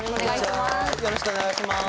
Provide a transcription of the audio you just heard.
よろしくお願いします。